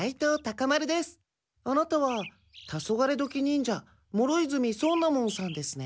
あなたはタソガレドキ忍者諸泉尊奈門さんですね。